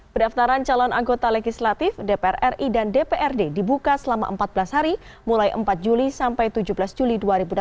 pendaftaran calon anggota legislatif dpr ri dan dprd dibuka selama empat belas hari mulai empat juli sampai tujuh belas juli dua ribu delapan belas